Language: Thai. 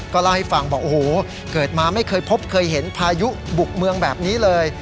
เล่าให้ฟังบอกโอ้โหเกิดมาไม่เคยพบเคยเห็นพายุบุกเมืองแบบนี้เลย